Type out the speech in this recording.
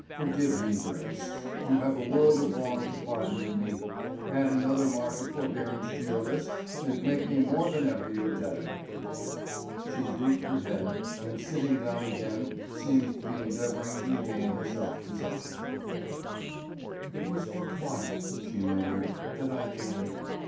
Forgive me, Grace; you have a world of wrong to pardon in me; add another mark of forbearance to your list and make me more than ever your debtor." She drooped her head and sitting down again seemed to be endeavoring to regain her self possession. "It was for Clarke," she murmured, "that I came."